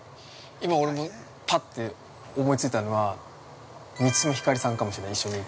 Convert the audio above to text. ◆今、俺もぱって思いついたのは満島ひかりさんかもしれない。